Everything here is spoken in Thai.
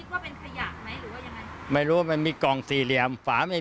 อืมตอนนั้นคิดว่าเป็นไข่หยากไหมหรือว่ายังไง